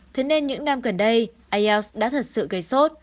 thế nên những năm gần đây ielts đã thật sự gây sốt